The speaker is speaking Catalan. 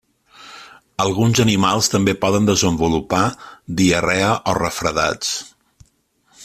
Alguns animals també poden desenvolupar diarrea o refredats.